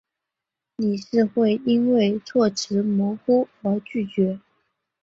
理事会因为措辞模糊而拒绝。